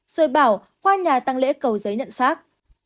rồi bảo qua nhà tăng lễ cầu giấy nhận xác